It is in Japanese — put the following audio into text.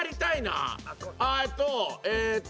えーっとえーっと。